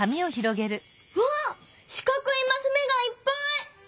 うわっしかくいマスめがいっぱい！